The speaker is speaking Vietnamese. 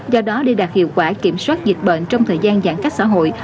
do đó để đạt hiệu quả kiểm soát dịch bệnh trong thời gian giãn cách xã hội